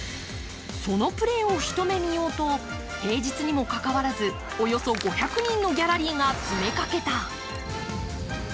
そのプレーを一目見ようと、平日にもかかわらず、およそ５００人のギャラリーが詰めかけた。